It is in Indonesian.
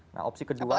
nah opsi kedua